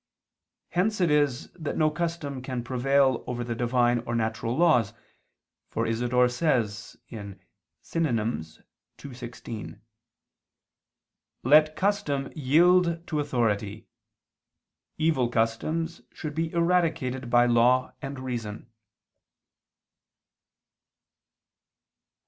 Hence it is that no custom can prevail over the Divine or natural laws: for Isidore says (Synon. ii, 16): "Let custom yield to authority: evil customs should be eradicated by law and reason."